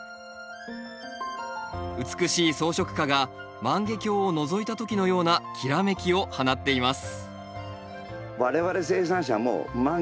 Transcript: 美しい装飾花が万華鏡をのぞいた時のようなきらめきを放っています